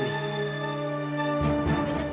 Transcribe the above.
tidak ada apa apa